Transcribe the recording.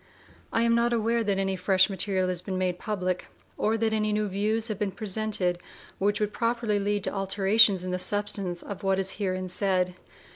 I am not aware that any fresh material has been made public, or that any new views have been presented which would properly lead to alterations in the substance of what is herein said.